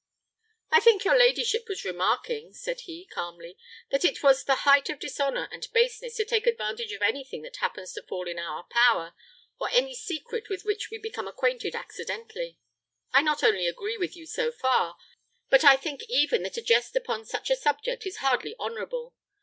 "I think your ladyship was remarking," said he, calmly, "that it was the height of dishonour and baseness to take advantage of anything that happens to fall in our power, or any secret with which we become acquainted accidentally. I not only agree with you so far, but I think even that a jest upon such a subject is hardly honourable.